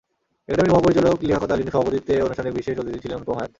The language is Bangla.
একাডেমীর মহাপরিচালক লিয়াকত আলীর সভাপতিত্বে অনুষ্ঠানে বিশেষ অতিথি ছিলেন অনুপম হায়াৎ।